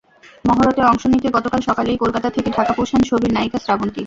মহরতে অংশ নিতে গতকাল সকালেই কলকাতা থেকে ঢাকা পৌঁছান ছবির নায়িকা শ্রাবন্তী।